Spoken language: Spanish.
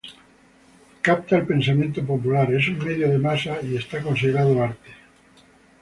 Capta el pensamiento popular, es un medio de masa y es considerado arte.